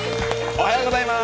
おはようございます。